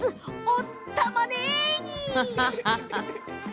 おったまねぎ！